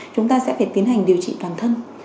chúng ta sẽ phải tiến hành điều trị toàn thân